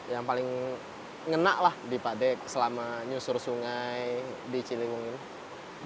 yang paling ngenaklah di pak d selama nyusur sungai di cilipung ini